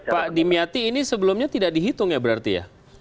pak dimyati ini sebelumnya tidak dihitung ya berarti ya